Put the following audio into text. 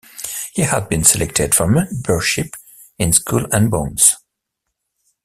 He had been selected for membership in Skull and Bones.